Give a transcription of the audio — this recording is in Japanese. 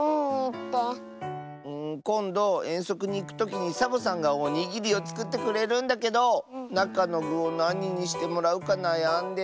こんどえんそくにいくときにサボさんがおにぎりをつくってくれるんだけどなかのぐをなににしてもらうかなやんでて。